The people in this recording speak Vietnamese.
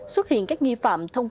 xuất hiện các nghi phạm thông tin